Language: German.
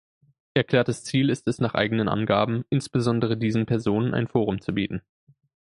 Erklärtes Ziel ist es nach eigenen Angaben, insbesondere diesen Personen ein Forum zu bieten.